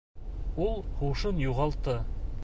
Ул һушын юғалтты